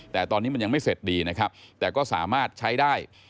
แต่ตอนนี้มันยังไม่เสร็จดีนะครับแต่ก็สามารถใช้ได้